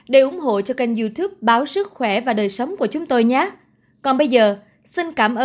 để ủng hộ cho kênh youtube của chúng tôi